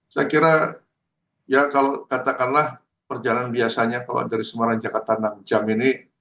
saya kira ya kalau katakanlah perjalanan biasanya kalau dari semarang jakarta enam jam ini